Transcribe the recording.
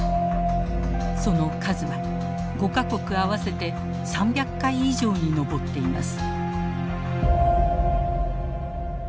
その数は５か国合わせて３００回以上に上っています。